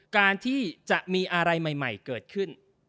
การที่จะมีอะไรใหม่เกิดขึ้น